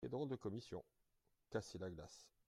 Qué drôle de commission ! casser la glace !